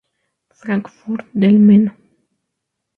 Frankfurt del Meno.